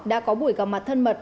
đã có buổi gặp mặt thân mật